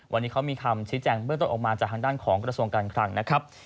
วันนี้เขามีคำชี้แจงเบื้องต้นออกมาจากทางด้านของกระทรวงการคลังนะครับ